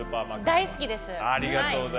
大好きです！